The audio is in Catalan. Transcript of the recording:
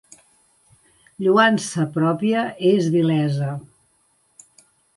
Lloança pròpia és vilesa.